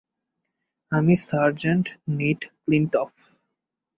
আমি sergeant Nate ক্লিনটফ।